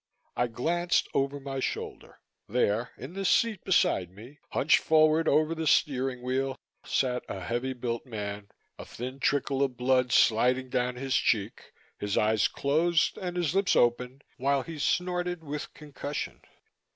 I glanced over my shoulder. There, in the seat beside me, hunched forward over the steering wheel, sat a heavy built man, a thin trickle of blood sliding down his cheek, his eyes closed and his lips open, while he snorted with concussion.